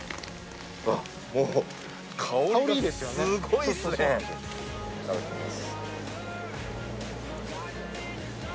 いただきます。